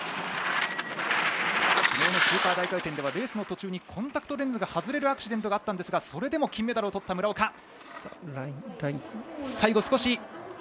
スーパー大回転ではレースの途中にコンタクトレンズが外れるアクシデントがあったんですがそれでも金メダルをとった村岡。